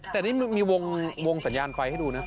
แต่นี่มีวงสัญญาณไฟให้ดูนะ